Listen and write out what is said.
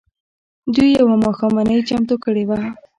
دوی يوه ماښامنۍ چمتو کړې وه.